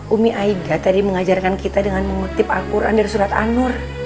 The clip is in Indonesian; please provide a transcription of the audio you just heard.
umi aida tadi mengajarkan kita dengan mengutip al quran dari surat an nur